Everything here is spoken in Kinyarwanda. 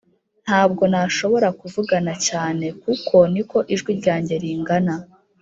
Ntabwo nashobora kuvugan cyane kuko niko ijwi ryanjye ringana